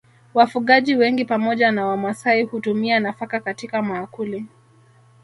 Wafugaji wengi pamoja na Wamasai hutumia nafaka katika maakuli